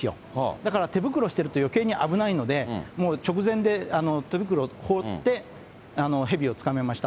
だから手袋してるとよけいに危ないので、もう直前で手袋を放って、ヘビを捕まえました。